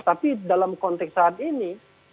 tapi dalam konteks saat ini